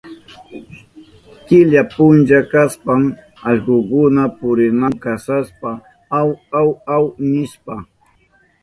Killa puncha kashpan allkukuna purinahun kasashpa aw, aw, aw nishpa.